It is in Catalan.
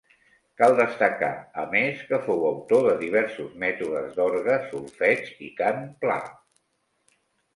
Cal destacar, a més, que fou autor de diversos mètodes d'orgue, solfeig i cant pla.